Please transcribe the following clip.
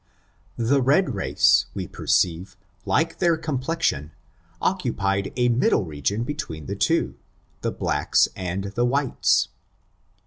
The red race, we perceive, like their complexion, occupied a middle region between the two, the blacks and the whites.